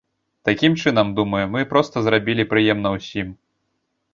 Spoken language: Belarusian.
Такім чынам, думаю, мы проста зрабілі прыемна ўсім.